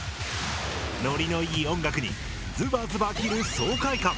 ノリのいい音楽にズバズバ切る爽快感。